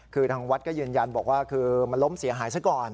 คือทางวัดก็ยืนยันบอกว่าคือมันล้มเสียหายซะก่อน